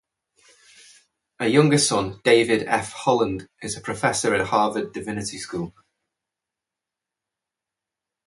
A younger son, David F. Holland, is a professor at Harvard Divinity School.